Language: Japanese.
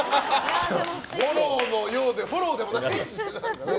フォローのようでフォローでもなかったですね。